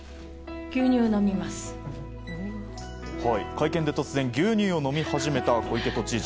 会見で突然、牛乳を飲み始めた小池都知事。